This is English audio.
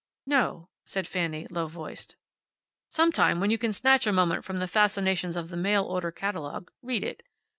"No," said Fanny, low voiced. "Sometime, when you can snatch a moment from the fascinations of the mail order catalogue, read it.